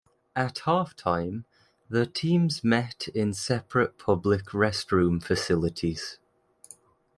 At halftime, the teams met in separate public restroom facilities.